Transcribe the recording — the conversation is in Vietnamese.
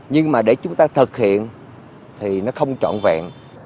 nhưng mà để chúng ta thực hiện thì nó không trọn vẹn